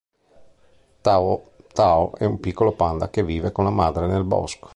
Tao Tao è un piccolo panda che vive con la madre nel bosco.